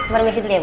permisi dulu ya bu